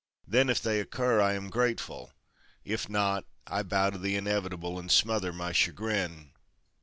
Then, if they occur, I am grateful; if not, I bow to the inevitable and smother my chagrin."